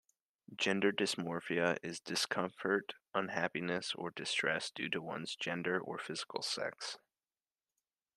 Gender dysphoria is discomfort, unhappiness, or distress due to one's gender or physical sex.